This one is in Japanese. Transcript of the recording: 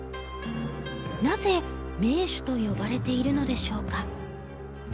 なぜ名手と呼ばれているのでしょうか？